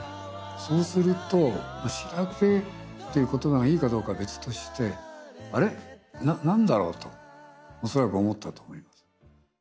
そうすると「しらけ」っていう言葉がいいかどうかは別として「あれ？何だろう」と恐らく思ったと思います。